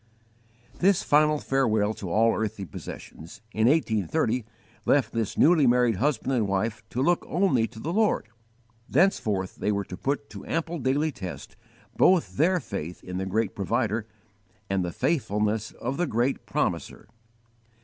This final farewell to all earthly possessions, in 1830, left this newly married husband and wife to look only to the Lord. Thenceforth they were to put to ample daily test both their faith in the Great Provider and the faithfulness of the Great Promiser.